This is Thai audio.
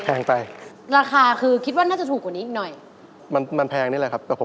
แพงไปราคาคือคิดว่าน่าจะถูกกว่านี้อีกหน่อยมันมันแพงนี่แหละครับกับผม